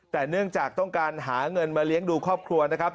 แต่เนื่องจากต้องการหาเงินมาเลี้ยงดูครอบครัวนะครับ